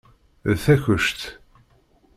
D takuct.